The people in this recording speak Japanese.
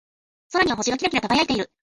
空には星がキラキラ輝いている。